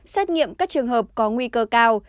xét nghiệm các trường hợp có nguy cơ cao